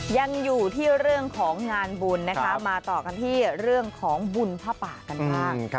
ยังอยู่ที่เรื่องของงานบุญนะคะมาต่อกันที่เรื่องของบุญผ้าป่ากันบ้าง